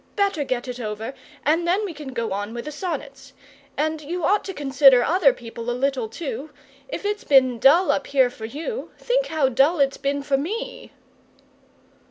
Better get it over, and then we can go on with the sonnets. And you ought to consider other people a little, too. If it's been dull up here for you, think how dull it's been for me!"